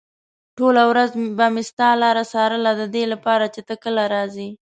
ټوله ورځ به مې ستا لاره څارله ددې لپاره چې ته کله راځې.